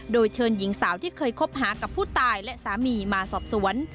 โดยเชิญหญิงสาวที่เคยคบหากับผู้ตายและสามีมาสอบสวน